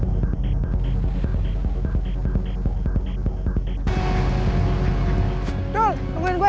waduh tau uang gua